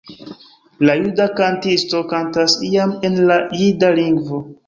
La juda kantisto kantas iam en la jida lingvo.